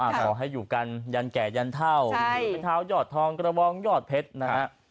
ขอให้อยู่กันยันแก่ยันเท่าเป็นเท้ายอดทองกระบองยอดเพชรนะฮะ